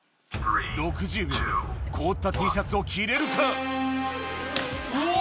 ６０秒で凍ったＴシャツを着れるか⁉おおお！